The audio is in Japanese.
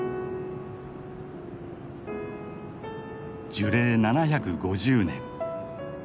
樹齢７５０年。